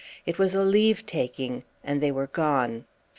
It was a leave taking, and they were gone.